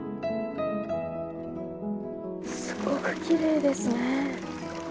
すごくきれいですね。